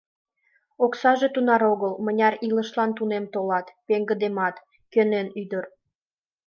Оксаже тунар огыл, мыняр илышлан тунем толат, пеҥгыдемат, — кӧнен ӱдыр.